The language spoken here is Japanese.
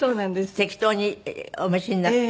適当にお召しになって。